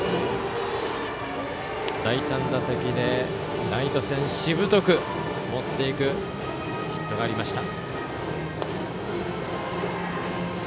第３打席でライト線しぶとく持っていくヒットがありました。